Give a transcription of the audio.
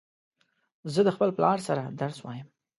زه د خپل پلار سره درس وایم